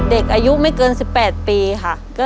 เด็กอายุไม่เกิน๑๘ปีค่ะ